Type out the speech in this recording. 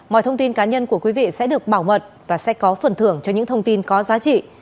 mọi thông tin cá nhân của quý vị sẽ được bảo mật và sẽ có phần thưởng cho những thông tin có giá trị